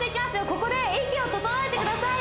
ここで息を整えてください